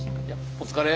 お疲れ。